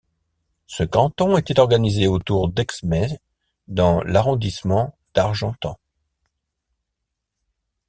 Ce canton était organisé autour d'Exmes dans l'arrondissement d'Argentan.